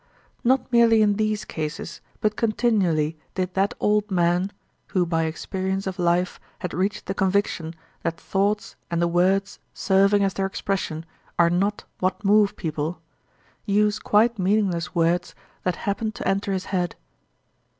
Not merely in these cases but continually did that old man—who by experience of life had reached the conviction that thoughts and the words serving as their expression are not what move people—use quite meaningless words that happened to enter his head.